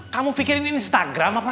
kamu pikirin ini instagram apa